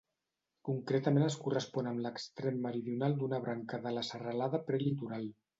Concretament es correspon amb l'extrem meridional d'una branca de la Serralada Prelitoral.